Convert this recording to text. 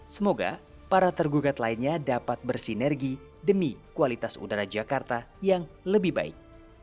semoga para tergugat lainnya dapat bersinergi demi kualitas udara jakarta yang lebih baik